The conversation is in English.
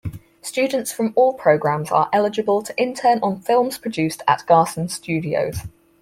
Students from all programs are eligible to intern on films produced at Garson Studios.